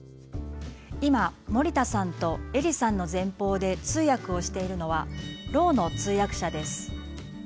今森田さんと映里さんの前方で通訳をしているのはろうの通訳者です。